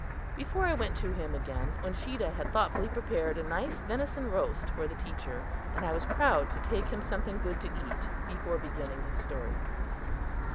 Before I went to him again Uncheedah had thoughtfully prepared a nice venison roast for the teacher, and I was proud to take him something good to eat before beginning his story.